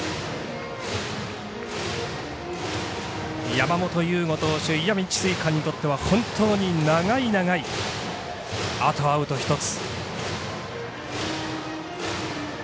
山本由吾投手石見智翠館にとっては本当に長い長いあとアウト１つ。